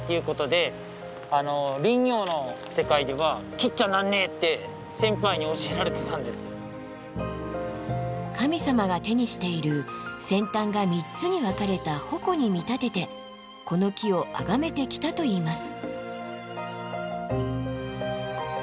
うちらとかは三叉の木って言って神様が手にしている先端が３つに分かれた矛に見立ててこの木をあがめてきたといいます。